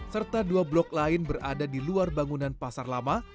serta dua blok lain berada di luar bangunan pasar lama